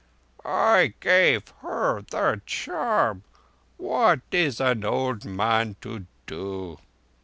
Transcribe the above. "I gave her the charm. What is an old man to do?"